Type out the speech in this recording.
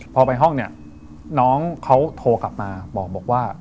พอไปห้องเนี่ยน้องเขาโทรกลับมาบอกว่า